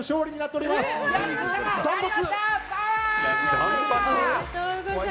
断髪？